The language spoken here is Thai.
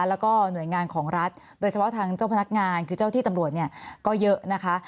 แล้วก็หน่วยงานของรัฐโดยเฉพาะทางเจ้าพนักงานคือเจ้าที่ตำรวจเนี่ยก็เยอะนะคะ